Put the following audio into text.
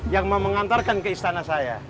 yang mau mengantarkan ke istana saya